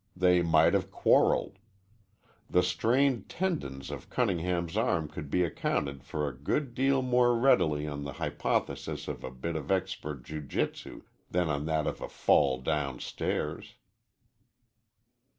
They might have quarreled. The strained tendons of Cunningham's arm could be accounted for a good deal more readily on the hypothesis of a bit of expert jiu jitsu than on that of a fall downstairs.